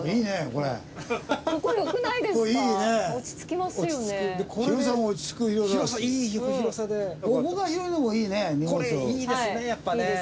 これいいですねやっぱね。